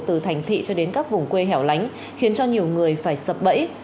từ thành thị cho đến các vùng quê hẻo lánh khiến cho nhiều người phải sập bẫy